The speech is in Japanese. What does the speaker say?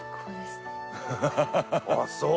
あっそう。